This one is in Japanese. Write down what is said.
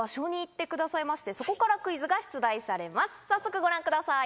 早速ご覧ください。